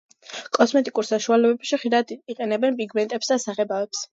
კოსმეტიკურ საშუალებებში ხშირად იყენებენ პიგმენტებს და საღებავებს.